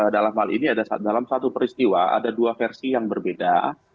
dalam hal ini dalam satu peristiwa ada dua versi yang berbeda